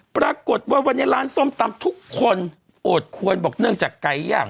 ปรากฏว่าวันนี้ร้านส้มตำทุกคนโอดควรบอกเนื่องจากไก่ย่าง